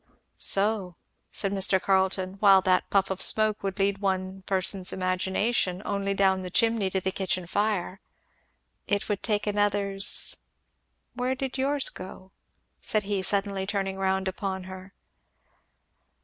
"So," said Mr. Carleton, "while that puff of smoke would lead one person's imagination only down the chimney to the kitchen fire, it would take another's where did yours go?" said he suddenly turning round upon her.